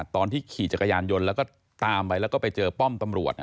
ตอนที่ขี่จักรยานยนต์แล้วก็ตามไปแล้วก็ไปเจอป้อมตำรวจ